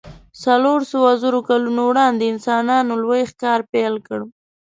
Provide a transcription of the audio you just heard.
څلور سوو زرو کلونو وړاندې انسانانو لوی ښکار پیل کړ.